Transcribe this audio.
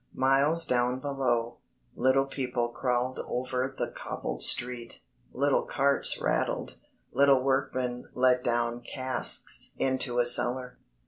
Miles down below, little people crawled over the cobbled street, little carts rattled, little workmen let down casks into a cellar.